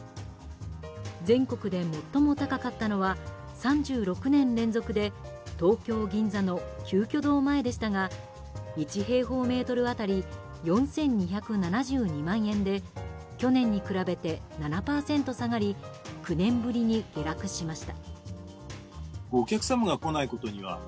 全国で最も高かったのは３６年連続で東京・銀座の鳩居堂前でしたが１平方メートル当たり４２７２万円で去年に比べて７％下がり９年ぶりに下落しました。